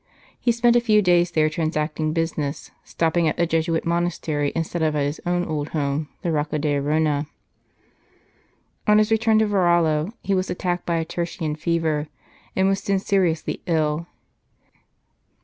He spent a few days there transacting business, stopping at the Jesuit monastery instead of at his own old home, the Rocca d Arona. On his return to Varallo he was attacked by a tertian fever, and was soon seriously ill.